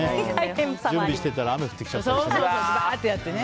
準備してたら雨が降ってきちゃったりしてね。